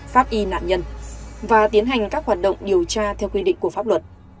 pháp y nạn nhân và tiến hành các hoạt động điều tra theo quy định của pháp luật